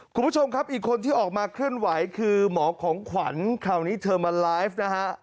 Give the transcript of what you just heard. คุณผู้ชมครับอีกคนที่ออกมาเคลื่อนไหวคือหมอของขวัญคราวนี้เธอมาไลฟ์นะฮะ